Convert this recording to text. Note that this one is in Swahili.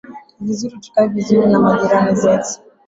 ni vizuri tukae vizuri na majirani zetu